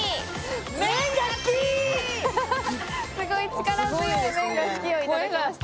すごい力強い、「麺が好き！」をいただきました。